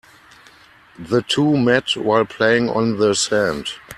The two met while playing on the sand.